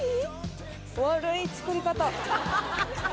悪い作り方。